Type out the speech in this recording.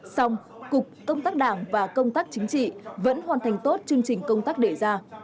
xong cục công tác đảng và công tác chính trị vẫn hoàn thành tốt chương trình công tác đề ra